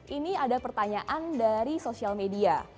ini ada pertanyaan dari sosial media